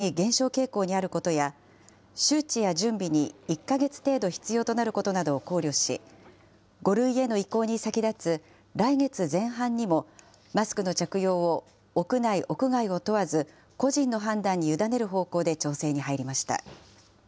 その結果、新規感染者数が全国的に減少傾向にあることや、周知や準備に１か月程度必要となることなどを考慮し、５類への移行に先立つ来月前半にもマスクの着用を屋内、屋外を問わず、個人の判断に委ねる方向で調整に入りました。